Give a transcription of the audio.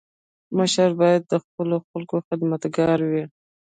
مشر باید د خپلو خلکو خدمتګار وي.